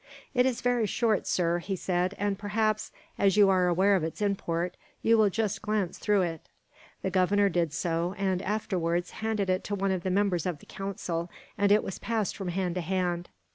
"It is very short, sir," he said, "and perhaps, as you are aware of its import, you will just glance through it." The Governor did so and, afterwards, handed it to one of the members of the council, and it was passed from hand to hand.